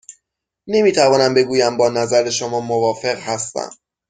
نمی توانم بگویم با نظر شما موافق هستم.